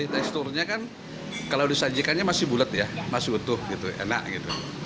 teksturnya kan kalau disajikannya masih bulat ya masih utuh gitu enak gitu